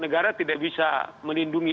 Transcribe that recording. negara tidak bisa menindungi